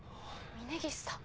峰岸さん。